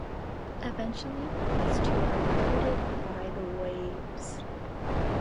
Eventually these too are eroded by the waves.